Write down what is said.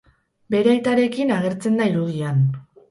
Bere aitarekin agertzen da irudian.